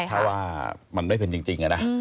ถ้าว่ามันไม่เป็นจริงนะ